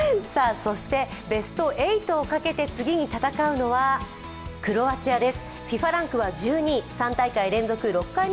そしてベスト８をかけて次に戦うのはクロアチアです。